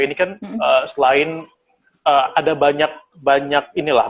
ini kan selain ada banyak banyak inilah